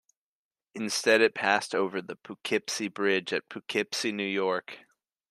Instead it passed over the Poughkeepsie Bridge at Poughkeepsie, New York.